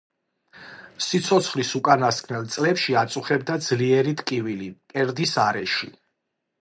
სიცოცხლის უკანასკნელ წლებში აწუხებდა ძლიერი ტკივილი მკერდის არეში.